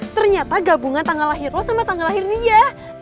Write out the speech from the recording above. ternyata gabungan tanggal lahir lo sama tanggal lahir dia